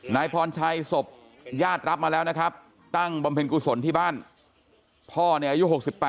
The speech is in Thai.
นายพรชัยศพญาติรับมาแล้วนะครับตั้งบำเพ็ญกุศลที่บ้านพ่อเนี่ยอายุ๖๘